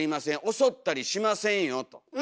襲ったりしませんよと。